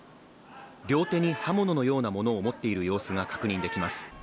両手に刃物のようなもの持っている様子が確認できます。